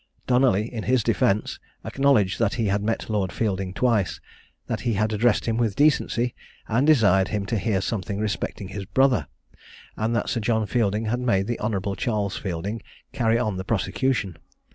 Donally in his defence, acknowledged that he had met Lord Fielding twice; that he had addressed him with decency, and desired him to hear something respecting his brother; and that Sir John Fielding had made the Honourable Charles Fielding carry on the prosecution.